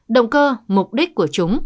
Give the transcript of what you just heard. động cơ mục đích của chúng